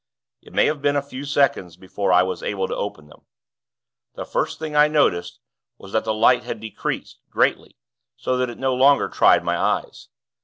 It may have been a few seconds before I was able to open them. The first thing I noticed was that the light had decreased, greatly; so that it no longer tried my eyes.